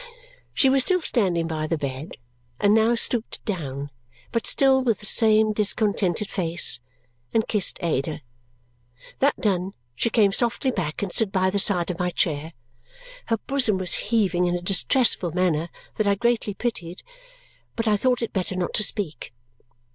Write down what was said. She was still standing by the bed, and now stooped down (but still with the same discontented face) and kissed Ada. That done, she came softly back and stood by the side of my chair. Her bosom was heaving in a distressful manner that I greatly pitied, but I thought it better not to speak.